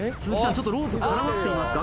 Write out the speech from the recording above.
ちょっとロープ絡まっていますか？